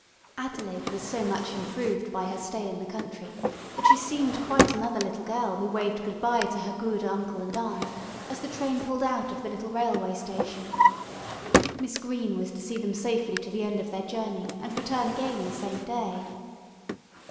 Adelaide was so much improved by her stay in the country that she seemed quite another little girl who waved good bye to her good uncle and aunt as the train pulled out of the little railway station. Miss Green was to see them safely to the end of their journey and return again the same day.